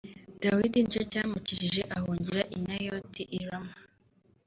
Dawidi nicyo cyamukijije ahungira i Nayoti i Rama